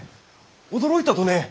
驚いたとね！